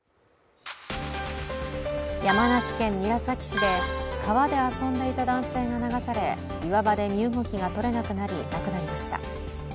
山梨県韮崎市で、川で遊んでいた男性が流され、岩場で身動きがとれなくなり亡くなりました。